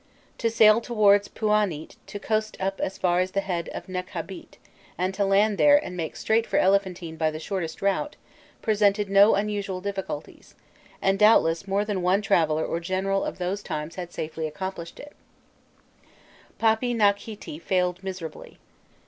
To sail towards Pûanît, to coast up as far as the "Head of Nekhabît," to land there and make straight for Elephantine by the shortest route, presented no unusual difficulties, and doubtless more than one traveller or general of those times had safely accomplished it; Papinakhîti failed miserably.